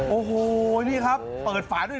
โอ้โหบางคนเปิดฝันบุ๊ม